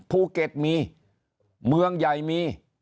ภูเก็ตมีเมืองใหญ่มี